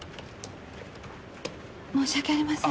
申し訳ありません。